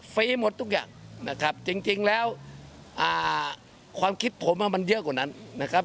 ฟรีหมดทุกอย่างนะครับจริงแล้วความคิดผมมันเยอะกว่านั้นนะครับ